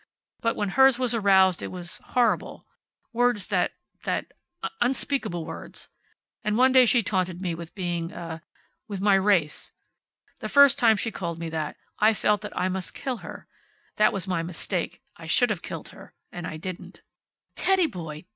But when hers was aroused it was horrible. Words that that unspeakable words. And one day she taunted me with being a with my race. The first time she called me that I felt that I must kill her. That was my mistake. I should have killed her. And I didn't." "Teddy boy!